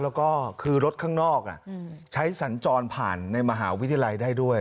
แล้วก็คือรถข้างนอกใช้สัญจรผ่านในมหาวิทยาลัยได้ด้วย